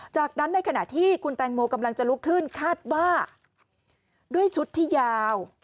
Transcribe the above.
จากนั้นในขณะที่คุณแตงโมกำลังจะลุกขึ้นคาดว่าด้วยชุดที่ยาว